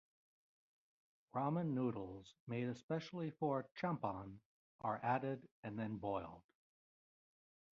Ramen noodles made especially for "champon" are added and then boiled.